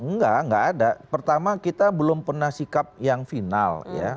enggak enggak ada pertama kita belum pernah sikap yang final ya